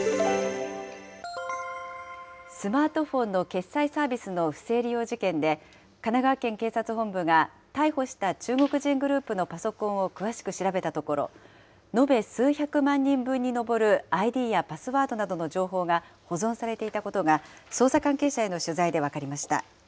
スマートフォンの決済サービスの不正利用事件で、神奈川県警察本部が逮捕した中国人グループのパソコンを詳しく調べたところ、延べ数百万人分に上るＩＤやパスワードなどの情報が保存されていたことが、捜査関係者への取材で分かりました。